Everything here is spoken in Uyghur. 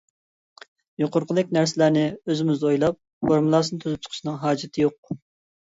يۇقىرىقىدەك نەرسىلەرنى ئۆزىمىز ئويلاپ، فورمۇلاسىنى تۈزۈپ چىقىشنىڭ ھاجىتى يوق.